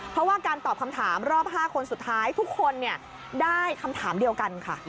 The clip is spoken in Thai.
เพราะว่าการตอบคำถามรอบ๕คนสุดท้ายทุกคนได้คำถามเดียวกันค่ะ